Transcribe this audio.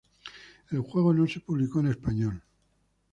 El juego no se publicó en español.